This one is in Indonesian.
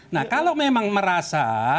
nah kalau memang merasa